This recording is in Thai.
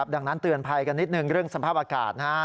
ดังนั้นเตือนภัยกันนิดนึงเรื่องสภาพอากาศ